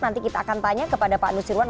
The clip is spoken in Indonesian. nanti kita akan tanya kepada pak nusirwan